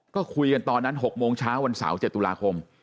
ก็คุยกันตอนนั้น๖โมงเช้าวันเสาร์๗ตุลาคม